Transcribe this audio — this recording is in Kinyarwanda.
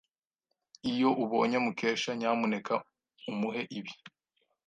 Iyo ubonye Mukesha, nyamuneka umuhe ibi.